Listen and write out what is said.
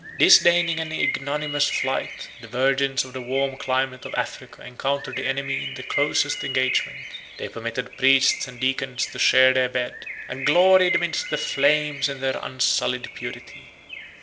Disdaining an ignominious flight, the virgins of the warm climate of Africa encountered the enemy in the closest engagement; they permitted priests and deacons to share their bed, and gloried amidst the flames in their unsullied purity.